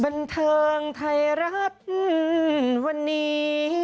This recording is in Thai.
บันเทิงไทยรัฐวันนี้